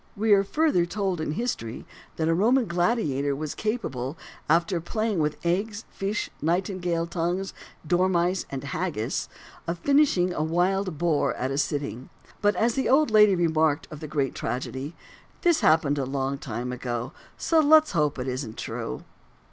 We are further told in history that a Roman gladiator was capable, after playing with eggs, fish, nightingales' tongues, dormice, and haggis, of finishing a wild boar at a sitting. But as the old lady remarked of the great tragedy, this happened a long time ago, so let's hope it isn't true.